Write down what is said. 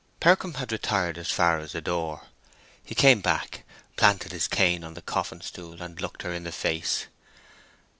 Percombe had retired as far as the door; he came back, planted his cane on the coffin stool, and looked her in the face.